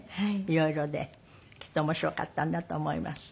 いろいろできっと面白かったんだと思います。